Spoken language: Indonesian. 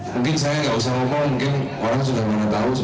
mungkin saya gak usah ngomong mungkin orang sudah mengetahui